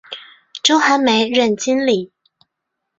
周寒梅任经理。